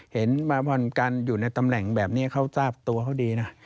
เห็นมาผ่อนกันอยู่ในตำแหน่งแบบนี้เขาทราบตัวเขาดีนะ